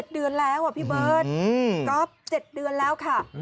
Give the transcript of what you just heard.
เดือนแล้วพี่เบิร์ตก๊อฟ๗เดือนแล้วค่ะ